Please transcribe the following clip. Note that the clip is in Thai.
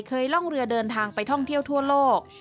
ล่องเรือเดินทางไปท่องเที่ยวทั่วโลก